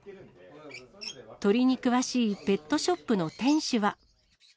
鳥に詳しいペットショップの店主は。